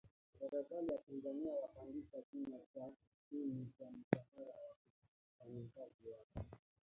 Serikali ya Tanzania yapandisha kima cha chini cha mshahara wa wafanyakazi wake